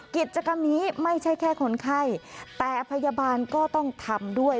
กิจกรรมนี้ไม่ใช่แค่คนไข้แต่พยาบาลก็ต้องทำด้วย